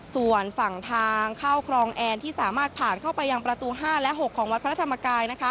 ส่วนฝั่งทางเข้าครองแอนที่สามารถผ่านเข้าไปยังประตู๕และ๖ของวัดพระธรรมกาย